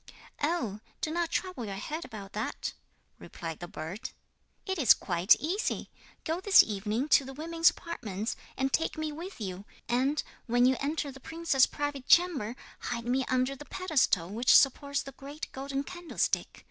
'Oh! do not trouble your head about that,' replied the bird, 'it is quite easy! Go this evening to the women's apartments, and take me with you, and when you enter the princess's private chamber hide me under the pedestal which supports the great golden candlestick.